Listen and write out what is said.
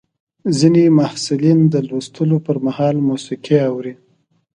ځینې محصلین د لوستلو پر مهال موسیقي اوري.